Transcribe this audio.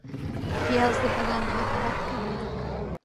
پیاز د بدن حرارت کموي